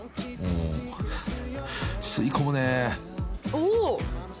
おお！